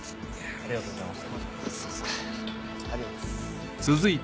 ありがとうございます。